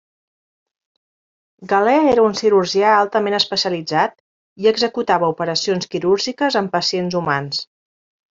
Galè era un cirurgià altament especialitzat i executava operacions quirúrgiques en pacients humans.